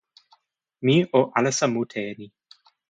mi o alasa mute e ni.